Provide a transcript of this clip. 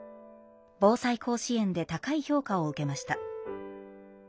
「ぼうさい甲子園」で高い評価を受けました。